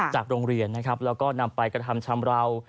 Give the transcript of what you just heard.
จากโรงเรียนนะครับแล้วก็นำไปกระทำชำราว